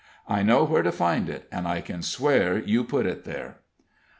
I know where to find it, and I can swear you put it there."